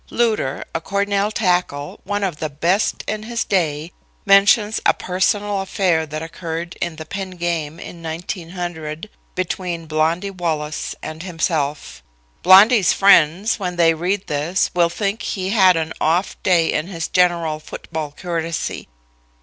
Lueder, a Cornell tackle, one of the best in his day, mentions a personal affair that occurred in the Penn game in 1900, between Blondy Wallace and himself. Blondy's friends when they read this will think he had an off day in his general football courtesy.